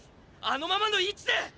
あのままの位置で！